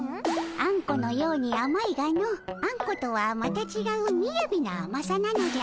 アンコのようにあまいがのアンコとはまたちがうみやびなあまさなのじゃ。